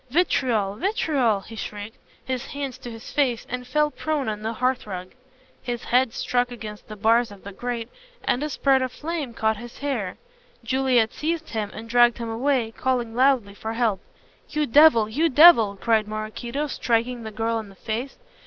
"Vitriol! Vitriol!" he shrieked, his hands to his face, and fell prone on the hearth rug. His head struck against the bars of the grate, and a spurt of flame caught his hair. Juliet seized him and dragged him away, calling loudly for help. "You devil you devil!" cried Maraquito, striking the girl on the face.